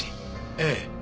ええ。